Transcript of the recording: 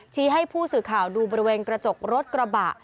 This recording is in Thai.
ให้ผู้สื่อข่าวดูบริเวณกระจกรถกระบะ